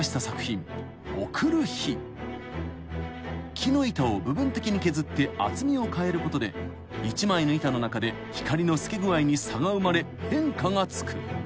［木の板を部分的に削って厚みを変えることで一枚の板の中で光の透け具合に差が生まれ変化がつく］